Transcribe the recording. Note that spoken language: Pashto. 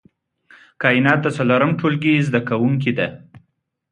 کاينات د څلورم ټولګي زده کوونکې ده